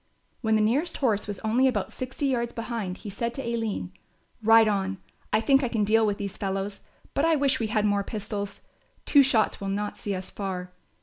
When the nearest horse was only about sixty yards behind he said to Aline, "Ride on, I think I can deal with these fellows, but I wish we had more pistols, two shots will not see us far.